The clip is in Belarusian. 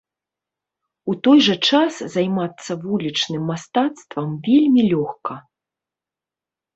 У той жа час займацца вулічным мастацтвам вельмі лёгка.